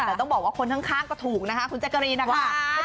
แต่ต้องบอกว่าคนข้างก็ถูกนะคะคุณแจ๊กกะรีนนะคะ